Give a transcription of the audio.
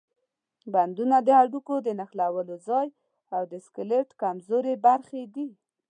بندونه د هډوکو د نښلولو ځای او د سکلیټ کمزورې برخې دي.